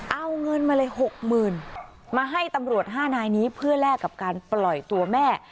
เอาเงินมาเลย๖๐๐๐มาให้ตำรวจ๕นายนี้เพื่อแลกกับการปล่อยตัวแม่